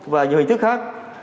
và nhiều hình thức khác